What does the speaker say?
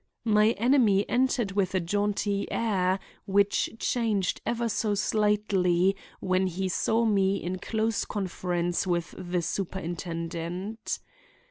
My enemy entered with a jaunty air, which changed ever so slightly when he saw me in close conference with the superintendent.